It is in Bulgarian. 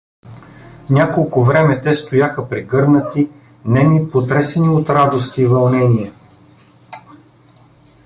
Няколко време те стояха прегърнати, неми, потресени от радост и вълнение.